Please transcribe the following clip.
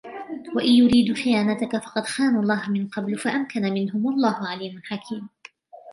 وَإِنْ يُرِيدُوا خِيَانَتَكَ فَقَدْ خَانُوا اللَّهَ مِنْ قَبْلُ فَأَمْكَنَ مِنْهُمْ وَاللَّهُ عَلِيمٌ حَكِيمٌ